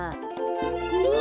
うわ！